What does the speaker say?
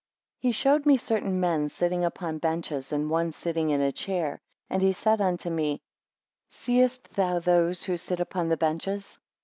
HE showed me certain men sitting upon benches, and one sitting in a chair: and he said unto me; Seest thou those who sit upon the benches?